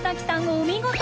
お見事！